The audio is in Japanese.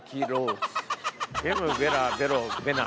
ベムベラベロベナ。